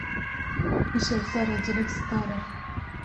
Îşev sar e, cilik sitar e.